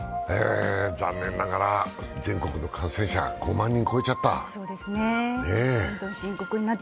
残念ながら全国の感染者５万人超えちゃった。